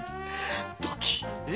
ドキッ。え？